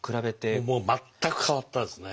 もう全く変わったですね。